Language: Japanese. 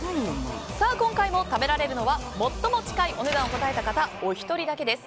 今回も食べられるのは最も近いお値段を答えたお一人だけです。